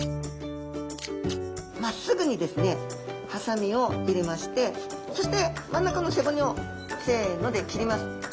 まっすぐにですねハサミを入れましてそして真ん中の背骨をせので切ります。